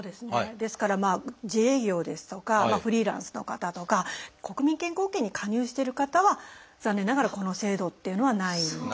ですから自営業ですとかフリーランスの方とか国民健康保険に加入してる方は残念ながらこの制度っていうのはないんですよね。